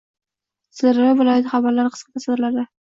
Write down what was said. Sirdaryo viloyati xabarlari qisqa satrlarda